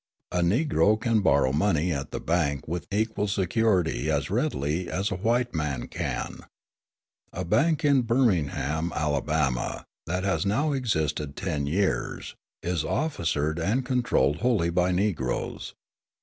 A Negro can borrow money at the bank with equal security as readily as a white man can. A bank in Birmingham, Alabama, that has now existed ten years, is officered and controlled wholly by Negroes.